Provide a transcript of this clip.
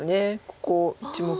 ここ１目。